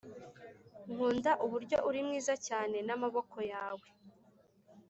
nkunda uburyo uri mwiza cyane n'amaboko yawe